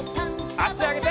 あしあげて。